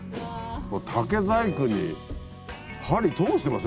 竹細工に針通してます